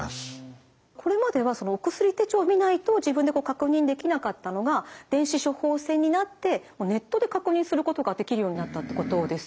これまではお薬手帳を見ないと自分で確認できなかったのが電子処方箋になってネットで確認することができるようになったってことですよね。